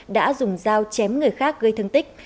đã dùng dao chém người khác gây thương tích